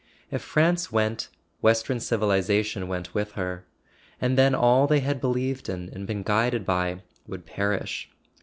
If France went, western civilization went with her; and then all they had believed in and been guided by would perish.